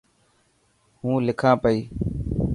هو لکان پئي.